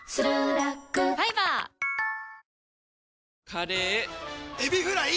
カレーエビフライ！